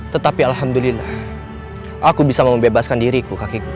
tetapi alhamdulillah aku bisa membebaskan diriku kakek guru